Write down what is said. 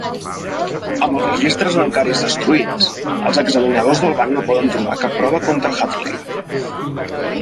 Amb els registres bancaris destruïts, els examinadors del banc no poden trobar cap prova contra Hadley.